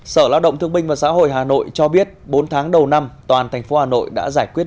sở lao động thương binh và xã hội hà nội cho biết bốn tháng đầu năm toàn thành phố hà nội đã giải quyết